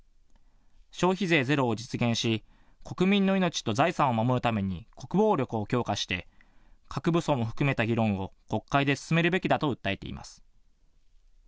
消費税ゼロを実現し、国民の命と財産を守るために国防力を強化して、核武装も含めた議論を国会で進めるべきだと訴えています。